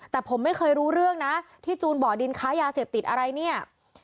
แต่ผมไม่เคยรู้เรื่องนะที่จูนบ่อดินค้ายาเสพติดอะไรเนี่ย